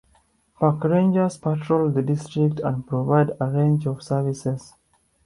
Park Rangers patrol the District and provide a range of services.